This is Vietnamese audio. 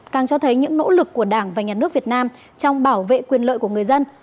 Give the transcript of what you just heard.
càng cho thấy những nỗ lực của đảng và nhà nước việt nam trong bảo vệ quyền lợi của người dân